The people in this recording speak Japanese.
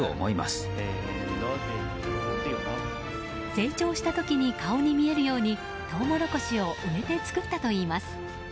成長した時に顔に見えるようにトウモロコシを植えて作ったといいます。